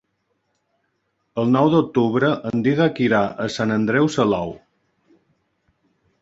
El nou d'octubre en Dídac irà a Sant Andreu Salou.